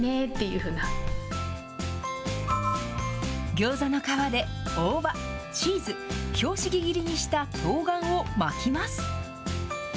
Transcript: ギョーザの皮で、大葉、チーズ、拍子木切りにしたとうがんを巻きます。